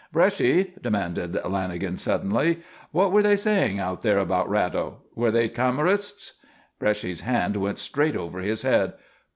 "Bresci," demanded Lanagan suddenly, "what were they saying out there about Ratto? Were they Camorrists?" Bresci's hand went straight over his head.